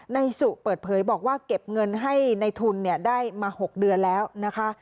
ในสุเปิดเผยบอกว่าเก็บเงินให้ในทุนได้มา๖เดือนแล้วนะคะ